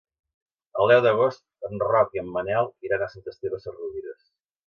El deu d'agost en Roc i en Manel iran a Sant Esteve Sesrovires.